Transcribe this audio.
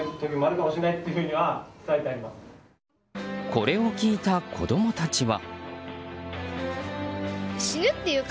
これを聞いた子供たちは。